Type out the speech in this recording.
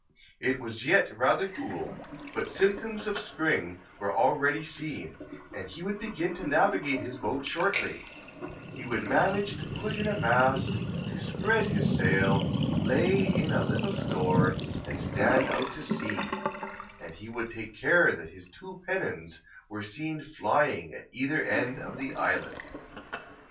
It was yet rather cool, but symptoms of spring were already seen, and he would begin to navigate his boat shortly; "he would manage to put in a mast, to spread his sail, lay in a little store, and stand out to sea; and he would take care that his two pennons were seen flying at either end of the island."